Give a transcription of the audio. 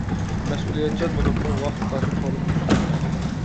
مەسئۇلىيەتچان، بولۇپمۇ ۋاقىت قارىشى تولىمۇ كۈچلۈك ئىكەن.